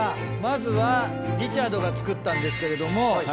まずはリチャードが作ったんですけれども。